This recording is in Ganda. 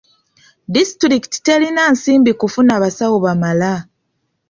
Disitulikiti terina nsimbi kufuna basawo bamala.